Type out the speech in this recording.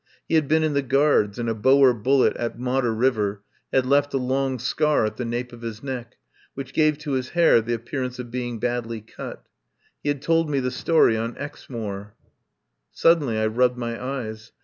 He had been in the Guards, and a Boer bullet at Modder River had left a long scar at the nape of his neck, which gave to his hair the appearance of be ing badly cut. He had told me the story on Exmoor. Suddenly I rubbed my eyes.